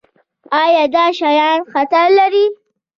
ایا دا شیان خطر لري؟